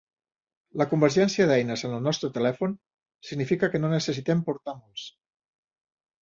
La convergència d'eines en el nostre telèfon significa que no necessitem portar molts.